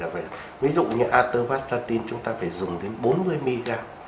ví dụ như atovastatin chúng ta phải dùng đến bốn mươi miram